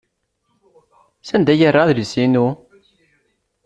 Sanda ay yerra adlis-inu?